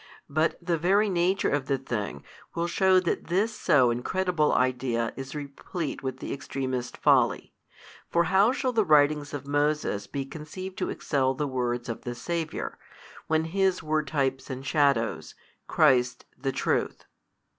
But the very nature of the thing will shew that this so incredible idea is replete with the extremest folly: for how shall the writings of Moses be conceived to excel the words of the Saviour, when his were types and shadows, Christ's the truth?